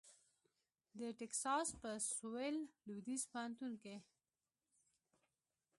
د ټیکساس په سوېل لوېدیځ پوهنتون کې